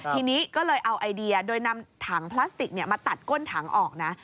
ทีนี้ก็เลยเอาไอเดียโดยนำถังพลาสติกมาตัดก้นถังออกนะ